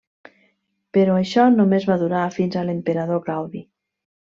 Però això només va durar fins a l'emperador Claudi.